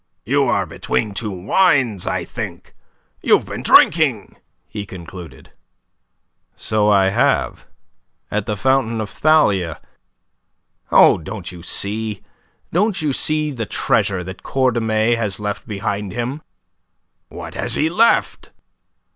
"You are between two wines, I think. You've been drinking," he concluded. "So I have at the fountain of Thalia. Oh, don't you see? Don't you see the treasure that Cordemais has left behind him?" "What has he left?"